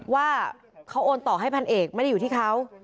ว่าเขาโอนต่อให้พันเอกไม่ได้อยู่ที่เขา